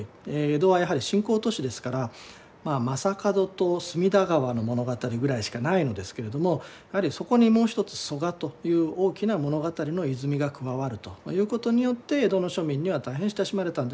江戸はやはり新興都市ですから将門と隅田川の物語ぐらいしかないのですけれどもやはりそこにもう一つ曽我という大きな物語の泉が加わるということによって江戸の庶民には大変親しまれたんではないかと思います。